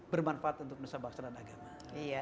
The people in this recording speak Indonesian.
bermanfaat untuk menusabah senat agama